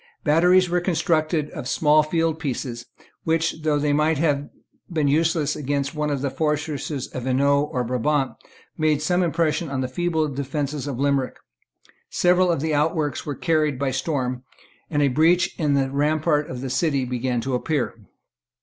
Batteries were constructed of small field pieces, which, though they might have been useless against one of the fortresses of Hainault or Brabant, made some impression on the feeble defences of Limerick. Several outworks were carried by storm; and a breach in the rampart of the city began to appear.